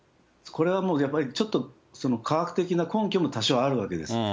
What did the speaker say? これはもう、やっぱりちょっと科学的な根拠も多少あるわけです。